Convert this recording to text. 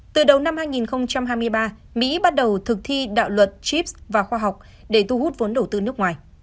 từ đầu năm hai nghìn hai mươi ba mỹ bắt đầu thực thi đạo luật trips và khoa học để thu hút vốn đầu tư nước ngoài